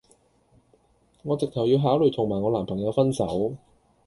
我直頭要考慮同埋我男朋友分手